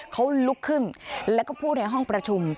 เขาลุกขึ้นแล้วก็พูดในห้องประชุม